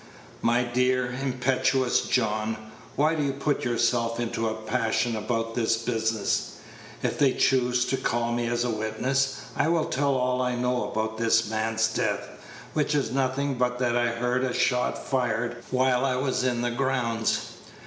"My dear, impetuous John, why do you put yourself into a passion about this business? If they choose to call me as a witness, I will tell all I know about this man's death, which is nothing but that I heard a shot fired while I was in the grounds."